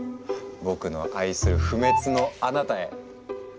僕の愛する「不滅のあなたへ」。